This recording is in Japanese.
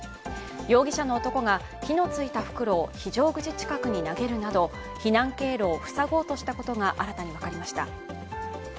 容疑者の男が火のついた袋を非常口近くに投げるなど避難経路を塞ごうとしたことが新たに分かりました。